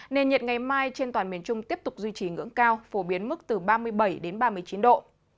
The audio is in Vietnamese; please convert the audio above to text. nền nhiệt ngày mai trên toàn miền trung tiếp tục duy trì ngưỡng cao phổ biến mức từ ba mươi bảy đến ba mươi chín độ